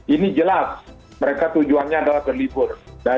ini jelas mereka tujuannya adalah berlibur